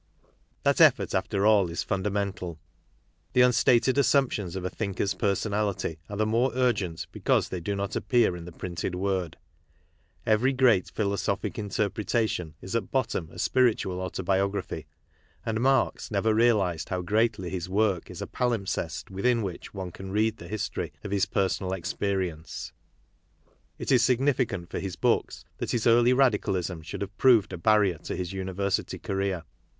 That effort, after all, is fundamental. The unstated assumptions of a thinker's personality are the more urgent because they do not appear in the printed word. Every great philosophic interpretation is at bottom a spiritual autobiography, and Marx never realized how greatly his work is a palimpsest within which one can read the history of his personal experience. It is signi ficant for his books that his early radicalism should have proved a barrier to his university career.